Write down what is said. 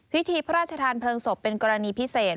พิธีพระราชทานเพลิงศพเป็นกรณีพิเศษ